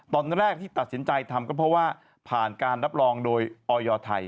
ตอนแรกที่ตัดสินใจทำก็เพราะว่าผ่านการรับรองโดยออยไทย